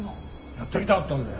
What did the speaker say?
やってみたかったんだよ。